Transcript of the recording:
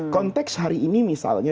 konteks hari ini misalnya